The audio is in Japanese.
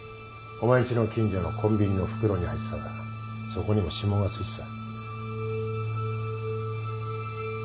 お前んちの近所のコンビニの袋に入ってたがそこにも指紋がついてた。